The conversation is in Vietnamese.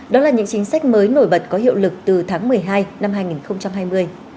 đó là những chính sách mới nổi bật có hiệu lực từ tháng một mươi hai năm hai nghìn hai mươi